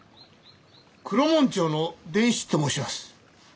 黒門町の伝七と申します。